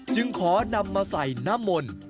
จึงขอนำมาใส่นามน